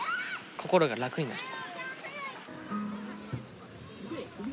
心が楽になる。